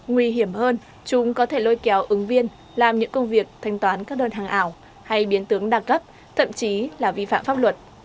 nguy hiểm hơn chúng có thể lôi kéo ứng viên làm những công việc thanh toán các đơn hàng ảo hay biến tướng đa cấp thậm chí là vi phạm pháp luật